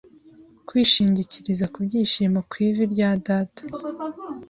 Kwishingikiriza ku byishimo ku ivi rya Data